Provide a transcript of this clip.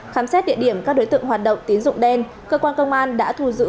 khám xét địa điểm các đối tượng hoạt động tín dụng đen cơ quan công an đã thu giữ